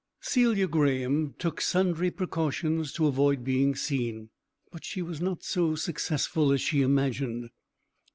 Celia Graeme took sundry precautions to avoid being seen, but she was not so successful as she imagined.